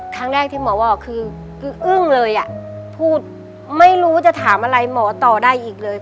ครั้งแรกที่หมอบอกคืออึ้งเลยอ่ะพูดไม่รู้จะถามอะไรหมอต่อได้อีกเลย